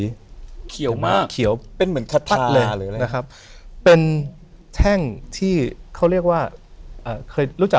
เยี่ยมมากเขียวเป็นเหมือนนะคะเป็นแท่งที่เขาเรียกว่าครับ